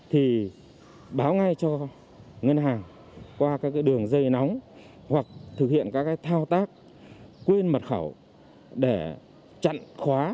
thì báo ngay cho ngân hàng qua các cái đường dây nóng hoặc thực hiện các cái thao tác quên mật khẩu để chặn khóa